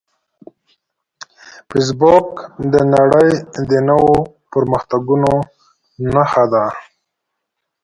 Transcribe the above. فېسبوک د نړۍ د نوو پرمختګونو نښه ده